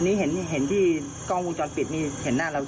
ร้องไห้โฮเลยอ่ะค่ะ